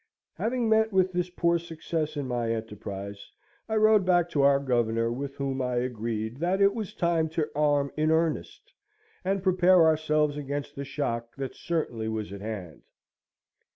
Having met with this poor success in my enterprise, I rode back to our Governor, with whom I agreed that it was time to arm in earnest, and prepare ourselves against the shock that certainly was at hand.